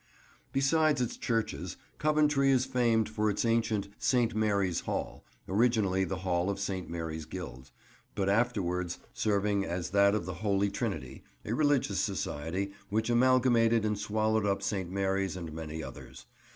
Besides its churches, Coventry is famed for its ancient "St. Mary's Hall," originally the hall of St. Mary's Guild, but afterwards serving as that of the Holy Trinity, a religious society which amalgamated and swallowed up St. Mary's and many others.